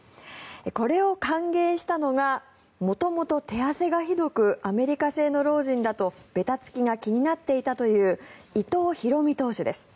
これを歓迎したのが元々、手汗がひどくアメリカ製のロージンだとべたつきが気になっていたという伊藤大海投手です。